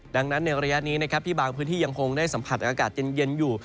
ดังนั้นในระยะนี้นะครับที่บางพื้นที่ยังคงได้สัมผัสอากาศเย็นอยู่